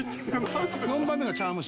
４番目が茶わん蒸し。